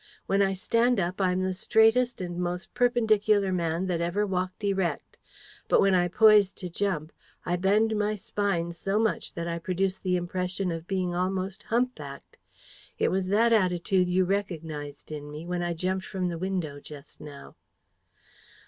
When I stand up, I'm the straightest and most perpendicular man that ever walked erect. But when I poise to jump, I bend my spine so much that I produce the impression of being almost hump backed. It was that attitude you recognised in me when I jumped from the window just now."